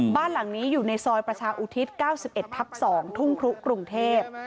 บ้านหลังนี้อยู่ในซอยประชาอุทิศ๙๑ทับ๒ทุ่งครุกรุงเทพ